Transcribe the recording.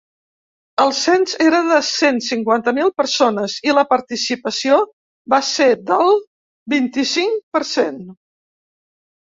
El cens era de cent cinquanta mil persones i la participació va ser del vint-i-cinc per cent.